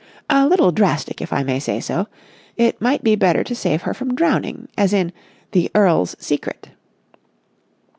"A little drastic, if I may say so. It might be better to save her from drowning, as in 'The Earl's Secret.